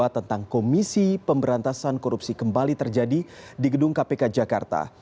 tentang komisi pemberantasan korupsi kembali terjadi di gedung kpk jakarta